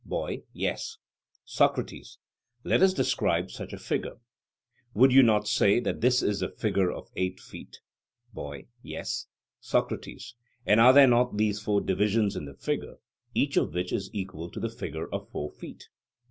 BOY: Yes. SOCRATES: Let us describe such a figure: Would you not say that this is the figure of eight feet? BOY: Yes. SOCRATES: And are there not these four divisions in the figure, each of which is equal to the figure of four feet?